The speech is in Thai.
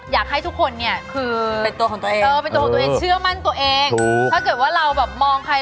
อยากให้ทุกคนเนี่ย